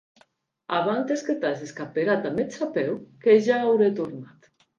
Abantes que t'ages caperat damb eth chapèu que ja aurè tornat.